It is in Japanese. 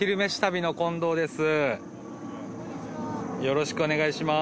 よろしくお願いします。